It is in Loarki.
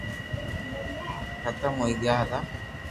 ختم ھوئي گيا تا